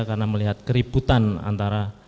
karena melihat keributan antara